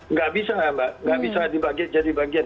nggak bisa mbak nggak bisa dibagi jadi bagian